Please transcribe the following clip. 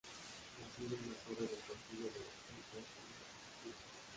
Nacido en la torre del castillo de Musashi-koku.